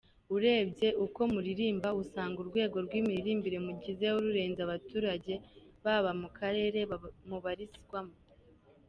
Urebye uko muririmba, usanga urwego rw’imiririmbire mugezeho rurenze abaturage baba mu karere mubarizwamo.